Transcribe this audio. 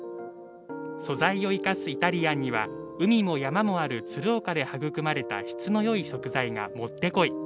素材を生かすイタリアンには海も山もある鶴岡で育まれた質の良い食材がもってこい。